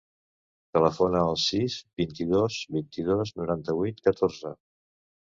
Telefona al sis, vint-i-dos, vint-i-dos, noranta-vuit, catorze.